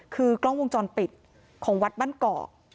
คือกล้องวงจรปิดของวัดบ้านเกาะ